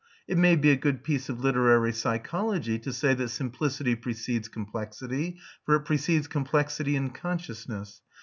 It may be a good piece of literary psychology to say that simplicity precedes complexity, for it precedes complexity in consciousness.